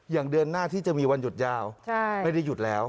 เดือนหน้าที่จะมีวันหยุดยาวไม่ได้หยุดแล้ว